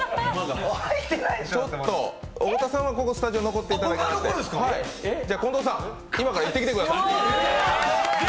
ちょっと太田さんはスタジオに残っていただいて、近藤さん、今から行ってきてください！